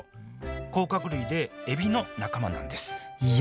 甲殻類でエビの仲間なんですいや